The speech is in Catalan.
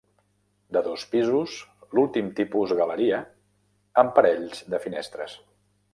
De dos pisos, l'últim tipus galeria, amb parells de finestres.